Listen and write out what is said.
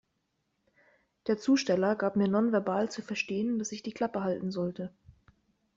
Der Zusteller gab mir nonverbal zu verstehen, dass ich die Klappe halten sollte.